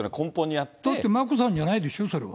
だって眞子さんじゃないでしょ、それは。